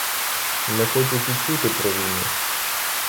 Не хочуть і чути про війну.